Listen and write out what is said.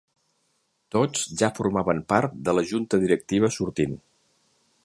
Tots ja formaven part de la junta directiva sortint.